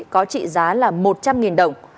có trị giá là một trăm linh nghìn đồng